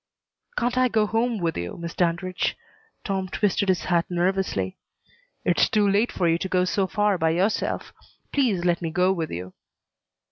"Can't I go home with you, Miss Dandridge?" Tom twisted his hat nervously. "It's too late for you to go so far by yourself. Please let me go with you."